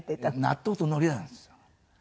納豆とのりなんですよ。